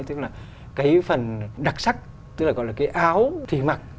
tức là cái phần đặc sắc tức là gọi là cái áo thủy mặc